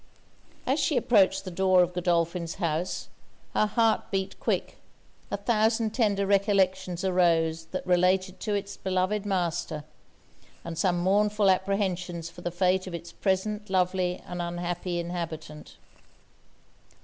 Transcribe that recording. As she approached the door of Godolphin's house, her heart beat quick; a thousand tender recollections arose that related to it's beloved master, and some mournful apprehensions for the fate of it's present lovely and unhappy inhabitant.